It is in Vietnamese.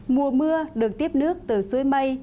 mùa mưa được tiếp nước từ suối mây